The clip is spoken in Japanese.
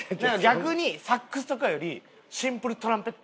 逆にサックスとかよりシンプルトランペット。